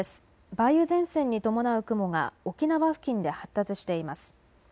梅雨前線に伴う雲が沖縄付近で発達しています。